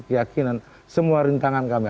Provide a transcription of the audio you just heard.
keyakinan semua rintangan kami